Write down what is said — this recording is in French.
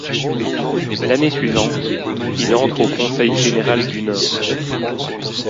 L'année suivante, il entre au Conseil général du Nord.